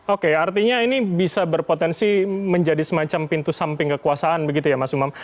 oke artinya ini bisa berpotensi menjadi semacam pintu samping kekuasaan begitu ya mas umam